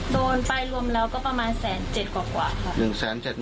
โดนไปรวมแล้วก็ประมาณ๑๗๐๐กว่าค่ะ